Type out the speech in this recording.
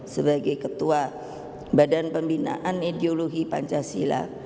sebagai ketua badan pembinaan ideologi pancasila